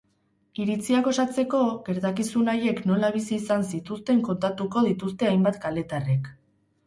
Iritziak osatzeko, gertakizun haiek nola bizi izan zituzten kontatuko dituzte hainbat kaletarrek.